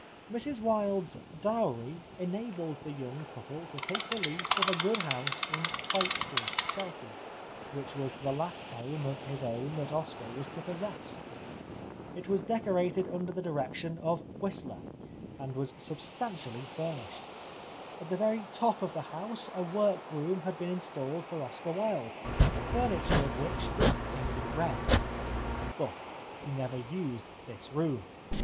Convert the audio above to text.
Mrs Wilde's dowry enabled the young couple to take the lease of a good house in Tite Street, Chelsea, which was the last home of his own that Oscar was to possess. It was decorated under the direction of Whistler, and was sub stantially furnished. At the very top of the house a work room had been installed for Oscar Wilde, the furniture of which was painted red. But he never used this room.